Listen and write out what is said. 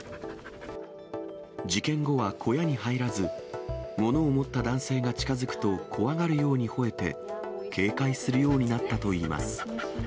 事件後は小屋に入らず、物を持った男性が近づくと怖がるように吠えて、警戒するようになったといいます。